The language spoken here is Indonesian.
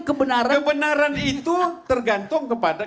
kebenaran itu tergantung kepada